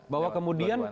bahwa kemudian menunggangi